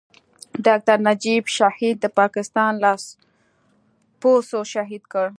ډاکټر نجيب شهيد د پاکستان لاسپوڅو شهيد کړ.